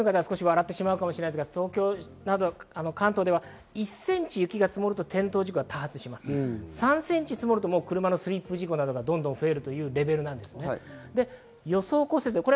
雪国の方は笑ってしまうかもしれませんが、関東では１センチ雪が積もると転倒事故が多発します、３センチ積もると車のスリップ事故などが増えるというレベルです。